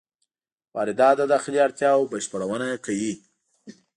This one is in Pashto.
واردات د داخلي اړتیاوو بشپړونه کوي.